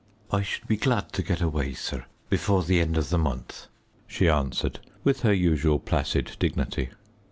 "I should be glad to get away, sir, before the end of the month," she answered, with her usual placid dignity.